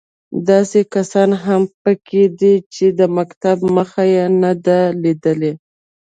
داسې کسان هم په کې دي چې د مکتب مخ یې نه دی لیدلی.